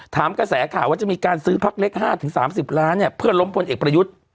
ถามกระแสข่าวว่าจะมีการซื้อพักเล็ก๕๓๐ล้านเพื่อล้มพลเอกประยุทธ์